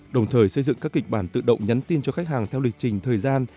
đồng thời xây dựng các kịch bản tự động nhắn tin cho khách hàng theo lịch trình thời gian